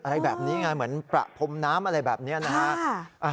อะไรแบบนี้ไงเหมือนประพรมน้ำอะไรแบบนี้นะฮะ